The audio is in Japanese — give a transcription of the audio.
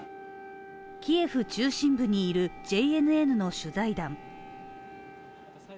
キエフ中心部にいるＪＮＮの取材団。